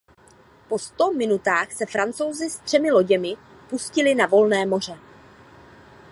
Po sto minutách se Francouzi s třemi loděmi pustili na volné moře.